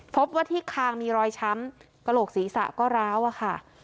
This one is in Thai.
พบว่าที่คางมีรอยช้ำกระโหลกศีรษะก็ร้าวอะค่ะ